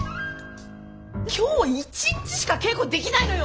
今日一日しか稽古できないのよ！